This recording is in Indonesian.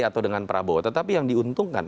atau dengan prabowo tetapi yang diuntungkan